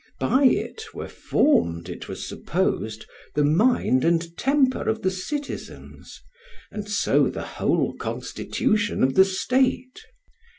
By it were formed, it was supposed, the mind and temper of the citizens, and so the whole constitution of the state.